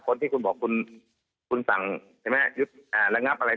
คนที่คุณบอกคุณคุณสั่งใช่ไหมยึดระงับอะไร